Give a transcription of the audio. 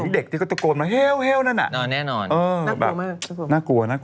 ดูดีกว่าน่ากลัวมาก